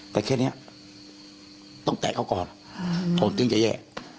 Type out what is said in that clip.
แต่เคสเนี่ยต้องแตะเขาก่อนโดนจึงจะแย่